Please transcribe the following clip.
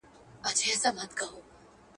د ژبي اعتبار د قوم اعتبار دی ..